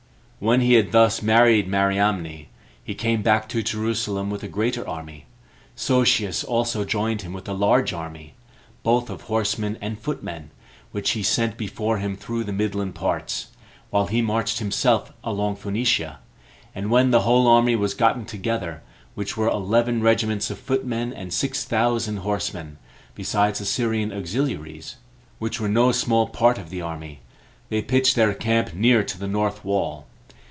When he had thus married Mariamne, he came back to Jerusalem with a greater army. Sosius also joined him with a large army, both of horsemen and footmen, which he sent before him through the midland parts, while he marched himself along Phoenicia; and when the whole army was gotten together, which were eleven regiments of footmen, and six thousand horsemen, besides the Syrian auxiliaries, which were no small part of the army, they pitched their camp near to the north wall.